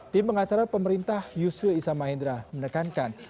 tim pengacara pemerintah yusril isamahendra menekankan